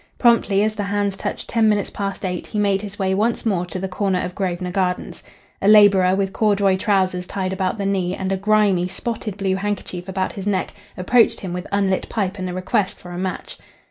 Promptly as the hands touched ten minutes past eight he made his way once more to the corner of Grosvenor Gardens. A labourer, with corduroy trousers tied about the knee and a grimy, spotted blue handkerchief about his neck, approached him with unlit pipe and a request for a match.